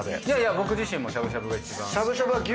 いやいや僕自身もしゃぶしゃぶが１番。